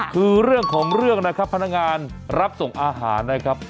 คือเรื่องของเรื่องนะครับพนักงานรับส่งอาหารนะครับ